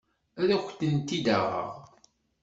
Ad ak-tent-id-aɣeɣ.